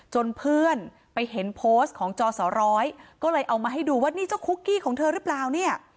เพื่อนไปเห็นโพสต์ของจอสร้อยก็เลยเอามาให้ดูว่านี่เจ้าคุกกี้ของเธอหรือเปล่าเนี่ย